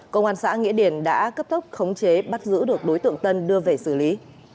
công an xã nghĩa điền đã cấp tốc khống chế bắt giữ được đối tượng tân đưa về xử lý